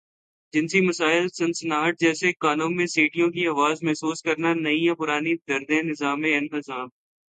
جنسی مسائل سنسناہٹ جیسے کانوں میں سیٹیوں کی آواز محسوس کرنا نئی یا پرانی دردیں نظام انہضام